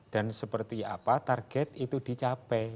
dan seperti apa target itu dicapai